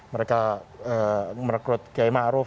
mereka merekrut k e ma'ruf